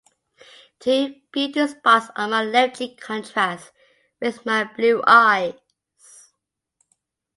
Two beauty spots on my left cheek contrast with my blue eyes.